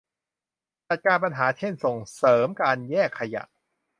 จัดการปัญหา เช่น ส่งเสริมการแยกขยะ